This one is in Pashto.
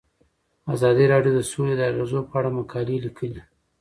ازادي راډیو د سوله د اغیزو په اړه مقالو لیکلي.